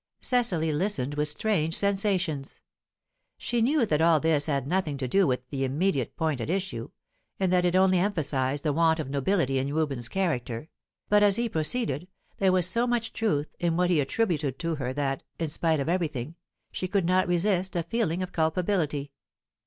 Cecily listened with strange sensations. She knew that all this had nothing to do with the immediate point at issue, and that it only emphasized the want of nobility in Reuben's character, but, as he proceeded, there was so much truth in what he attributed to her that, in spite of everything, she could not resist a feeling of culpability.